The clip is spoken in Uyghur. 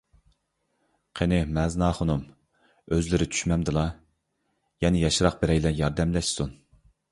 قېنى، مەزىن ئاخۇنۇم، ئۆزلىرى چۈشمەمدىلا، يەنە ياشراق بىرەيلەن ياردەملەشسۇن.